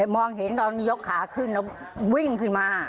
มองเห็นตอนยกขาขึ้นแล้ววิ่งขึ้นมา